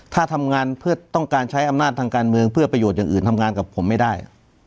ถ้าทำงานเพื่อต้องการใช้อำนาจทางการเมืองเพื่อประโยชน์อย่างอื่นทำงานกับผมไม่ได้